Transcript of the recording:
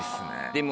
でも。